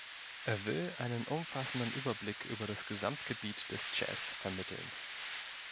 Er will einen umfassenden Überblick über das Gesamtgebiet des Jazz vermitteln.